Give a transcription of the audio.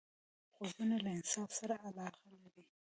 غوږونه له انصاف سره علاقه لري